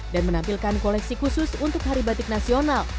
dan menampilkan koleksi khusus untuk hari batik nasional